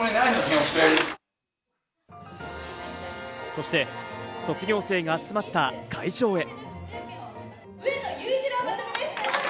そして、卒業生が集まった会場へ。